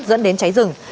dẫn đến cháy rừng